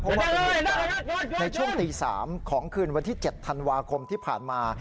เพราะว่าเป็นเหตุการณ์ในช่วงตี๓ของคืนวันที่๗ธันวาคมที่ผ่านมา